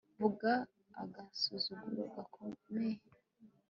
vuga agasuzuguro gakomeye